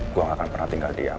gue gak akan pernah tinggal dia